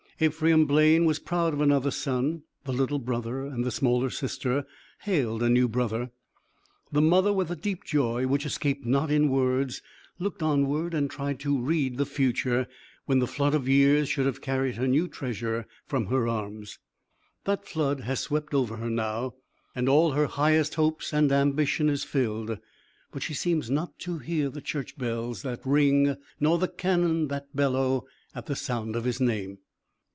Ephraim Blaine was proud of another son; the little brother and the smaller sister hailed a new brother. The mother, with a deep joy which escaped not in words, looked onward and tried to read the future when the flood of years should have carried her new treasure from her arms. That flood has swept over her now, and all her highest hopes and ambition is filled, but she seems not to hear the church bells that ring nor the cannon that bellow at the sound of his name.